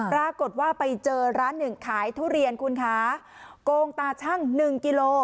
ปรากฏว่าไปเจอร้านหนึ่งขายทุเรียนคุณคะโกงตาชั่งหนึ่งกิโล